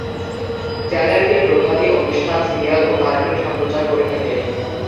চ্যানেলটি প্রভাতী অনুষ্ঠান, সিরিয়াল ও কার্টুন সম্প্রচার করে থাকে।